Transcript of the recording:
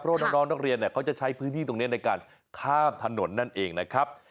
เพราะน้องนักเรียนเขาจะใช้พื้นที่ตรงนี้ในการข้ามถนนนั่นเองนะครับ